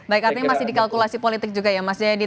baik artinya masih dikalkulasi politik juga ya mas jayadi